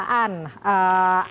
apa yang dikatakan